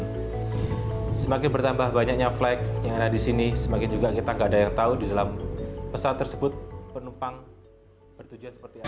dan semakin bertambah banyaknya flag yang ada di sini semakin juga kita tidak ada yang tahu di dalam pesawat tersebut penumpang bertujuan seperti apa